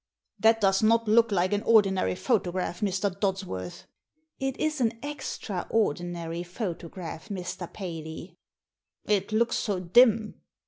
"That does not look like an ordinary photograph, Mr. Dodsworth." " It is an extraordinary photograph, Mr. Paley." " It looks so dim."